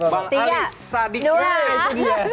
bang alis sadik